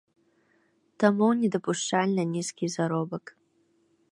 Таму недапушчальна нізкі заробак.